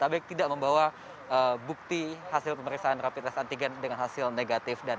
tapi tidak membawa bukti hasil pemeriksaan rapid test antigen dengan hasil negatif